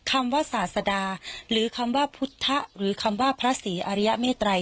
คำว่าศาสดาหรือคำว่าพุทธหรือคำว่าพระศรีอริยเมตรัย